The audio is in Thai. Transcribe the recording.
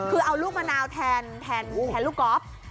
คือเอาลูกมะนาวแทนลูกกอล์ฟ